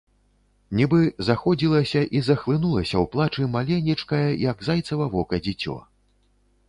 Нібы заходзілася і захлынулася ў плачы маленечкае, як зайцава вока, дзіцё.